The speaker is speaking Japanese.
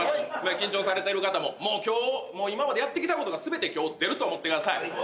緊張されてる方も今日、今までやってきたことがすべて今日出ると思ってください。